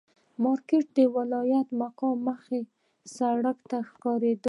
مارکېټ د ولایت مقام مخامخ سړک ته ښکارېده.